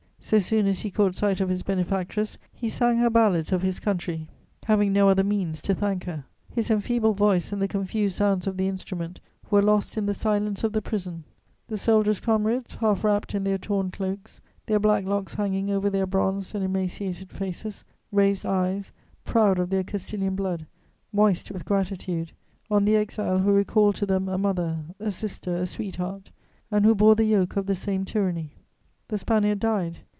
So soon as he caught sight of his benefactress, he sang her ballads of his country, having no other means to thank her. His enfeebled voice and the confused sounds of the instrument were lost in the silence of the prison. The soldier's comrades, half wrapped in their torn cloaks, their black locks hanging over their bronzed and emaciated faces, raised eyes, proud of their Castilian blood, moist with gratitude, on the exile who recalled to them a mother, a sister, a sweetheart, and who bore the yoke of the same tyranny. The Spaniard died.